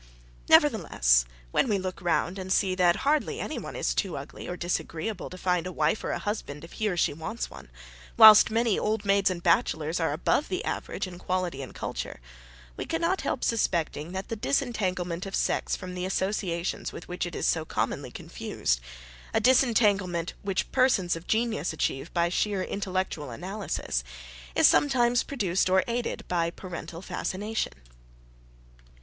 Nevertheless, when we look round and see that hardly anyone is too ugly or disagreeable to find a wife or a husband if he or she wants one, whilst many old maids and bachelors are above the average in quality and culture, we cannot help suspecting that the disentanglement of sex from the associations with which it is so commonly confused, a disentanglement which persons of genius achieve by sheer intellectual analysis, is sometimes produced or aided by parental fascination.